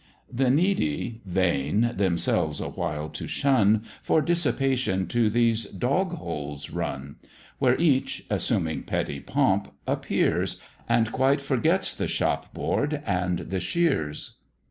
The needy vain, themselves awhile to shun, For dissipation to these dog holes run; Where each (assuming petty pomp) appears, And quite forgets the shopboard and the shears.